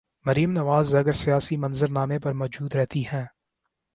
مریم نواز اگر سیاسی منظر نامے پر موجود رہتی ہیں۔